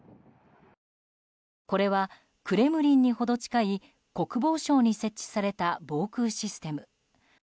これはクレムリンに程近い国防省に設置された防空システム。